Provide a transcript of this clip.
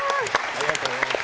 ありがとうございます！